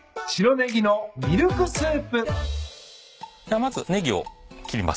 まずネギを切ります。